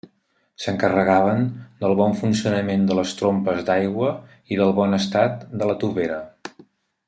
S'encarregaven del bon funcionament de les trompes d'aigua i del bon estat de la tovera.